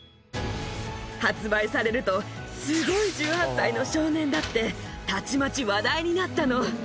発売されると、すごい１８歳の少年だって、たちまち話題になったの。